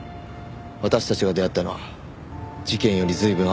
私たちが出会ったのは事件より随分あとの話なので。